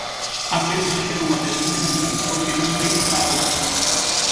A pel non xerou a melanina natural porque non saímos á rúa.